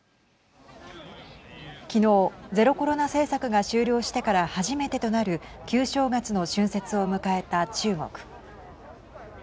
昨日ゼロコロナ政策が終了してから初めてとなる旧正月の春節を迎えた中国。